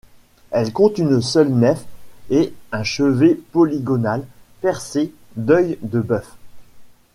Elle compte une seule nef et un chevet polygonal percé d'œils-de-bœuf.